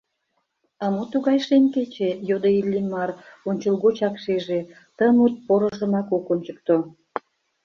— А мо тугай шем кече? — йодо Иллимар, ончылгочак шиже: ты мут порыжымак ок ончыкто.